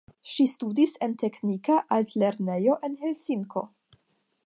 Ŝi studis en teknika altlernejo en Helsinko.